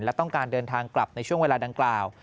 และต้องการเดินทางกลับในช่วงเวลาดังกล่าว